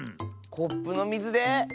コップのみずで？